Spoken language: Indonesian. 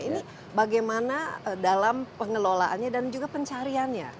ini bagaimana dalam pengelolaannya dan juga pencariannya